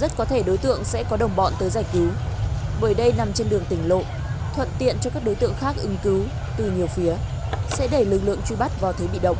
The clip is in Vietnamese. đây có thể đối tượng sẽ có đồng bọn tới giải cứu bởi đây nằm trên đường tỉnh lộ thuận tiện cho các đối tượng khác ứng cứu từ nhiều phía sẽ đẩy lực lượng truy bắt vào thế bị động